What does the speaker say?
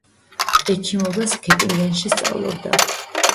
ექიმობას გეტინგენში სწავლობდა.